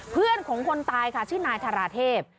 เพื่อนของคนตายค่ะชื่อนายธาราเทพ